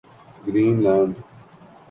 green land